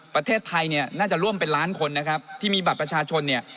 ประเทศไทยเนี่ยน่าจะร่วมเป็นล้านคนนะครับที่มีบัตรประชาชนเนี่ย